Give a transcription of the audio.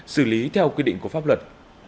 xử lý theo quy định của pháp luật